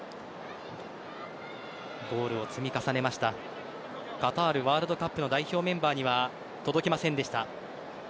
ゴールを積み重ねましたカタールワールドカップの代表メンバーには届きませんでした。